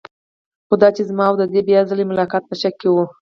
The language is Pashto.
خو دا چې زما او د دې بیا ځلې ملاقات په شک کې و.